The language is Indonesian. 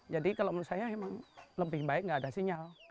jadi kalau menurut saya memang lebih baik tidak ada sinyal